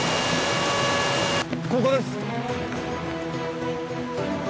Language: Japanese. ここです！